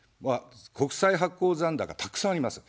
国債発行残高、たくさんあります。